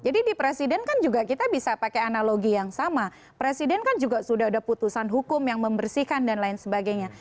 jadi di presiden kan juga kita bisa pakai analogi yang sama presiden kan juga sudah ada keputusan hukum yang membersihkan dan lain sebagainya